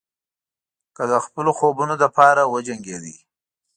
که د خپلو خوبونو لپاره وجنګېدئ.